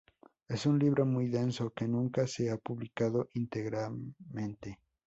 Es un libro muy denso que nunca se ha publicado íntegramente.